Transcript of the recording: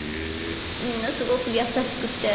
みんなすごく優しくて。